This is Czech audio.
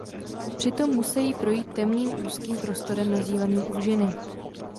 Přitom musejí projít temným úzkým prostorem nazývaným Úžiny.